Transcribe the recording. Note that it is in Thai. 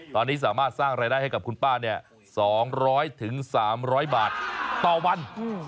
ตอนนี้สามารถสร้างรายได้ให้กับคุณป้า๒๐๐๓๐๐บาทต่อวัน